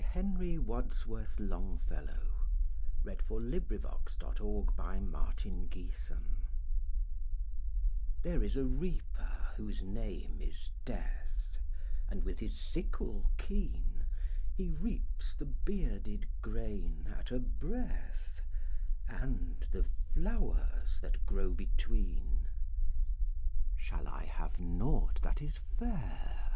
Henry Wadsworth Longfellow The Reaper And The Flowers THERE is a Reaper whose name is Death, And, with his sickle keen, He reaps the bearded grain at a breath, And the flowers that grow between. ``Shall I have nought that is fair?''